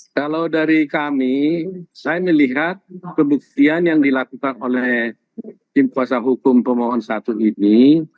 kalau dari kami saya melihat pembuktian yang dilakukan oleh tim kuasa hukum pemohon satu ini